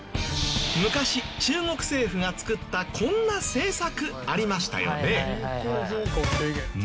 昔中国政府がつくったこんな政策ありましたよね？